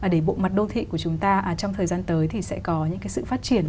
để bộ mặt đô thị của chúng ta trong thời gian tới thì sẽ có những cái sự phát triển